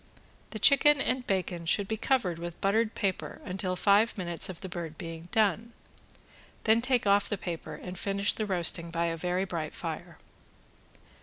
The chicken and bacon should be covered with buttered paper, until five minutes of the bird being done, then take off the paper, and finish the roasting by a very bright fire.